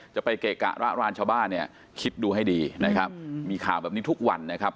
ไปเกะกะระรานชาวบ้านเนี่ยคิดดูให้ดีนะครับมีข่าวแบบนี้ทุกวันนะครับ